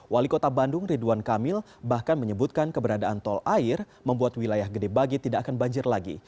wali kota bandung ridwan kamil bahkan menyebutkan keberadaan tol air membuat wilayah gedebagi tidak akan banjir lagi